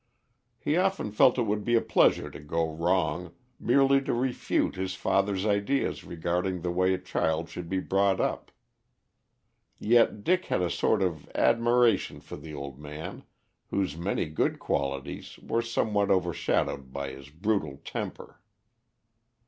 He often felt it would be a pleasure to go wrong, merely to refute his father's ideas regarding the way a child should be brought up. Yet Dick had a sort of admiration for the old man, whose many good qualities were somewhat overshadowed by his brutal temper.